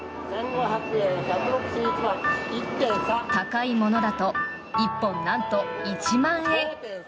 高いものだと１本なんと１万円。